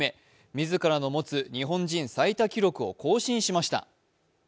自らの持つ日本人最多記録を更新しました。